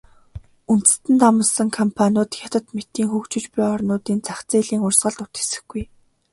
Үндэстэн дамнасан компаниуд Хятад мэтийн хөгжиж буй орнуудын зах зээлийн урсгалд тэсэхгүй.